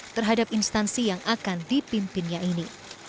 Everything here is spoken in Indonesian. terhadap instansi yang akan dipimpinnya ini